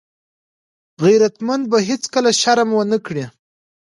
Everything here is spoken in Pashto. غیرتمند به هېڅکله شرم ونه کړي